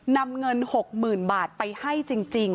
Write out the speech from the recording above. นำเงิน๖๐๐๐บาทไปให้จริง